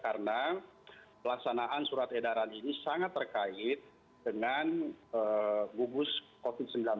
karena pelaksanaan surat edaran ini sangat terkait dengan gugus covid sembilan belas